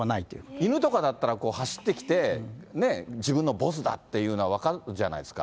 犬とかだったら、走ってきて、自分のボスだっていうのが分かるじゃないですか。